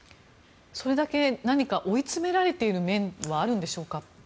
それだけ何か追い詰められてる面はあるんでしょうか。